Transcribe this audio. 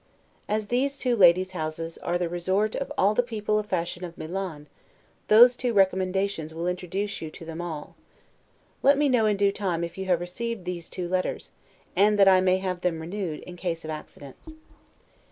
As these two ladies' houses are the resort of all the people of fashion at Milan, those two recommendations will introduce you to them all. Let me know, in due time, if you have received these two letters, that I may have them renewed, in case of accidents.